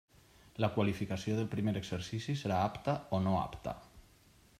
La qualificació del primer exercici serà «apta» o «no apta».